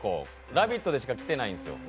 「ラヴィット！」でしか着てないんですよ。